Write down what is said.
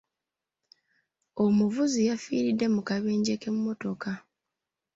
Omuvuzi yafiiridde mu kabenje k'emmotoka.